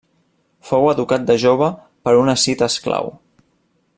Fou educat de jove per un escita esclau.